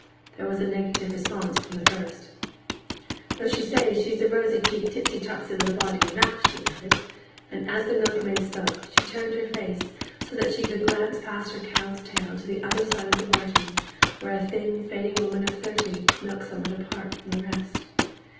There was a negative response from the first. 'Though they say she's a rosy cheeked, tisty tosty little body enough,' she added; and as the milkmaid spoke she turned her face so that she could glance past her cow's tail to the other side of the barton, where a thin, fading woman of thirty milked somewhat apart from the rest.